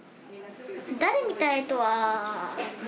誰みたいとは。